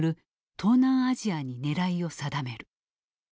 東南アジアに狙いを定める。